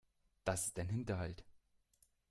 Das ist ein Hinterhalt.